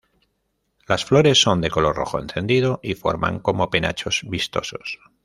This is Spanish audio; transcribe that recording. Las flores son de color rojo encendido y forman como penachos vistosos.